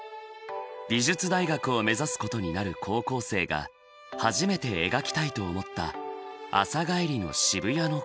美術大学を目指すことになる高校生が初めて描きたいと思った朝帰りの渋谷の光景。